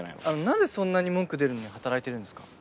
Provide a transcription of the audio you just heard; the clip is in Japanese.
何でそんなに文句出るのに働いてるんですか？